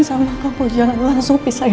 ada per patch yang otak ini